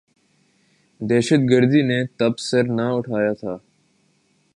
دہشت گردی نے تب سر نہ اٹھایا تھا۔